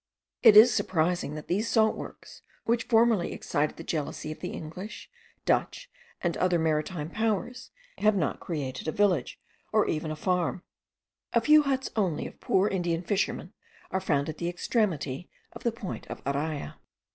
It is surprising that these salt works, which formerly excited the jealousy of the English, Dutch, and other maritime powers, have not created a village, or even a farm; a few huts only of poor Indian fishermen are found at the extremity of the point of Araya.